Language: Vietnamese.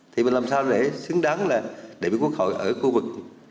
thì mình làm sao để xứng đáng là đại biểu quốc hội ở khu vực